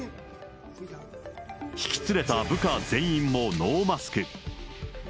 引き連れた部下全員もノーマスク。